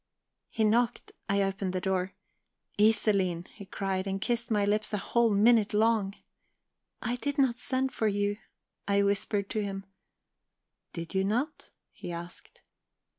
"He knocked. I opened the door. "'Iselin!' he cried, and kissed my lips a whole minute long. "'I did not send for you,' I whispered to him. "'Did you not?' he asked.